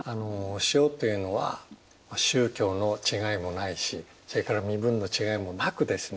塩っていうのは宗教の違いもないしそれから身分の違いもなくですね